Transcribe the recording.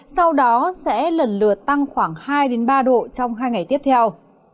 sau đó sẽ lần lượt tăng khoảng hai ba độ trong hai ngày tiếp theo